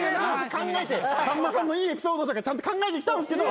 考えてさんまさんのいいエピソードとかちゃんと考えてきたんですけど。